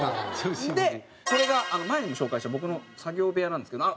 でこれが前にも紹介した僕の作業部屋なんですけど。